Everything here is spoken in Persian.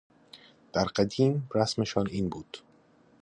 درقدیم رسمشان این بود